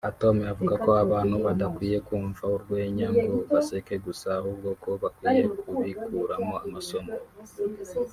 Atome avuga ko abantu badakwiye kumva urwenya ngo baseke gusa ahubwo ko bakwiye kubikuramo amasomo